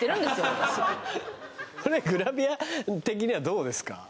私これグラビア的にはどうですか？